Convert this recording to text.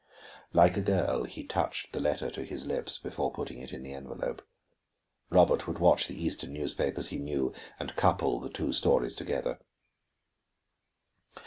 Like a girl he touched the letter to his lips before putting it in the envelop. Robert would watch the eastern newspapers, he knew, and couple the two stories together.